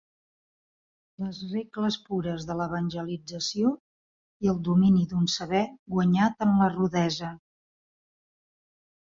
Les regles pures de l'evangelització i el domini d'un saber guanyat en la rudesa.